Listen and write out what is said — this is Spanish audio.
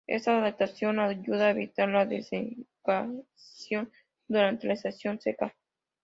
Esta adaptación ayuda a evitar la desecación durante la estación seca.